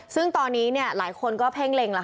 ซึ่งตอนนี้เนี่ยหลายคนก็เพ่งเร้งละครับ